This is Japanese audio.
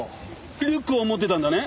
リュックを持ってたんだね？